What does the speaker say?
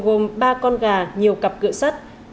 gồm ba con gà nhiều cặp cửa sắt